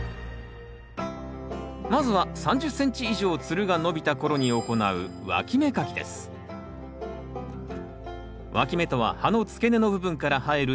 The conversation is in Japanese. まずは３０ｃｍ以上つるが伸びた頃に行うわき芽とは葉の付け根の部分から生える芽のこと。